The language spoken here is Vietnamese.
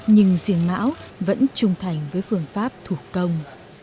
nhưng riêng mão vẫn trung thành với phương pháp thủ công